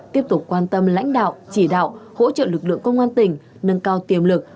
tiếp tục quan tâm lãnh đạo chỉ đạo hỗ trợ lực lượng công an tỉnh nâng cao tiềm lực